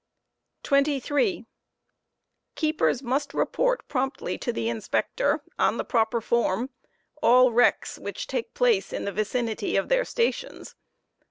Wrecks. 23, Keepers must report promptly to the Inspector, on the proper form, all wrecks which take place in the vicinity of their stations.